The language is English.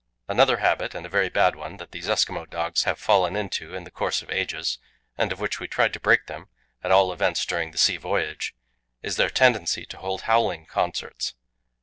Another habit, and a very bad one, that these Eskimo dogs have fallen into in the course of ages, and of which we tried to break them, at all events during the sea voyage, is their tendency to hold howling concerts.